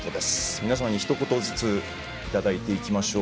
皆様にひと言ずついただいていきましょう。